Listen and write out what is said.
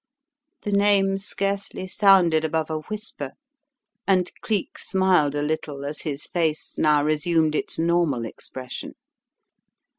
The name scarcely sounded above a whisper and Cleek smiled a little as his face now resumed its normal expression.